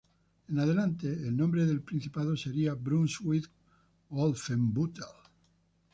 En adelante el nombre del principado sería "Brunswick-Wolfenbüttel".